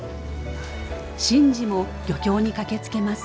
新次も漁協に駆けつけます。